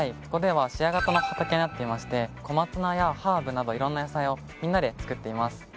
ここではシェア型の畑になっておりましてコマツナやハーブなどいろんな野菜をみんなで作っています。